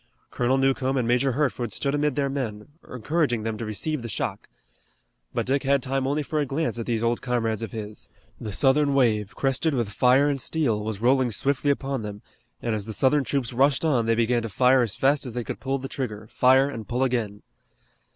Colonel Newcomb and Major Hertford stood amid their men, encouraging them to receive the shock. But Dick had time for only a glance at these old comrades of his. The Southern wave, crested with fire and steel, was rolling swiftly upon them, and as the Southern troops rushed on they began to fire as fast as they could pull the trigger, fire and pull again.